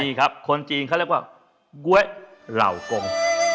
มีครับคนจีนเขาเรียกว่าก๊วยเหล่ากง